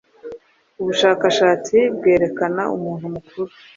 Ubushakashatsi bwerekana umuntu mukuru